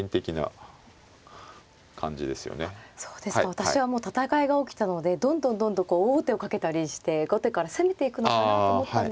私はもう戦いが起きたのでどんどんどんどん王手をかけたりして後手から攻めていくのかなと思ったんですが。